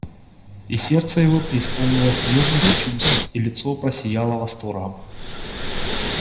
И сердце его преисполнилось нежных чувств, и лицо просияло восторгом.